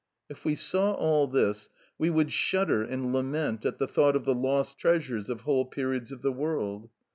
If we saw all this, we would shudder and lament at the thought of the lost treasures of whole periods of the world.